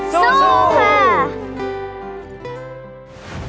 สู้ค่ะ